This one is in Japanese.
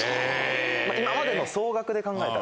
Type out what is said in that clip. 今までの総額で考えたら。